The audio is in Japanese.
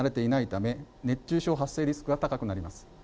ため、熱中症発生リスクが高くなります。